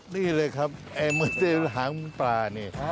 นี่เลยครับแอมเมอเซฟหางปลานี่